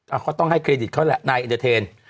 เขาต้องให้เครดิตเขาแหละนายเอ็นเตอร์เทน